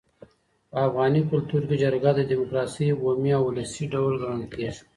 په افغاني کلتور کي جرګه د ډیموکراسۍ یو بومي او ولسي ډول ګڼل کيږي.